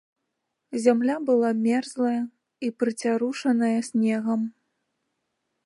Зямля была мерзлая і прыцярушаная снегам.